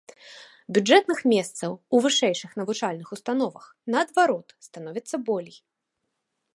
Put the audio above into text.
Бюджэтных месцаў ў вышэйшых навучальных установах, наадварот, становіцца болей.